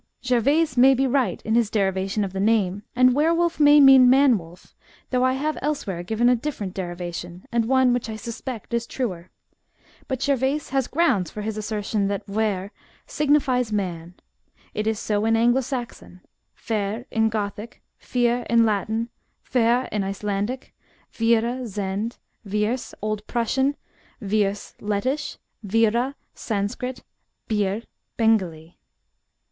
Gervaise may be right in his derivation of the name, and were wolf may mean man wolf, though I have elsewhere given a diflferent derivation, and one which I suspect is truer. But Gervaise has grounds for his assertion that wSr signifies man; it is so in Anglo Saxon, vair in Gothic, vir in Latin, verr, in Icelandic, vira, Zend, wirs, old Prussian, wirs, Lettish, vira, Sanskrit, bir, Bengalee.